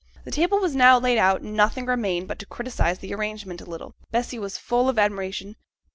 The table was now laid out, and nothing remained but to criticize the arrangement a little. Bessy was full of admiration.